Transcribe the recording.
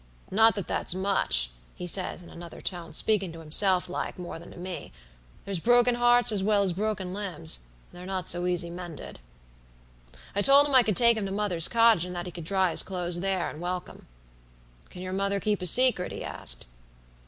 Not that that's much,' he says in another tone, speaking to himself like, more than to me. 'There's broken hearts as well as broken limbs, and they're not so easy mended.' "I told him I could take him to mother's cottage, and that he could dry his clothes there and welcome. "'Can your mother keep a secret?' he asked.